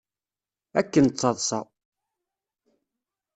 Akken d taḍsa.